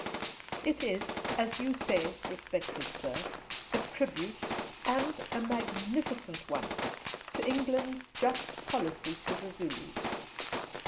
It is, as you say, respected Sir, a tribute, and a magnificent one, to England's just policy to the Zulus.